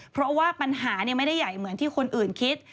เพราะว่าปัญหาไม่ได้ใหญ่เหมือนที่คนอื่นคิด